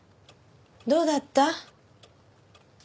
どうだった？